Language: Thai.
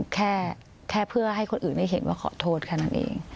แค่เพื่อให้คนอื่นได้เห็นว่าขอโทษแค่นั้นเอง